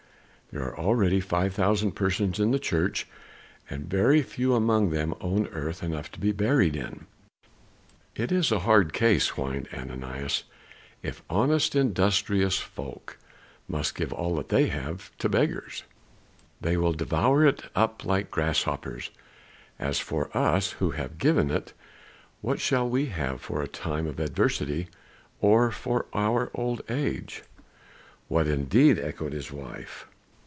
There are already five thousand persons in the church, and very few among them own earth enough to be buried in." "It is a hard case," whined Ananias, "if honest, industrious folk must give up all that they have to beggars. They will devour it up like grasshoppers; as for us who have given it, what shall we have for a time of adversity, or for our old age?" "What indeed?" echoed his wife.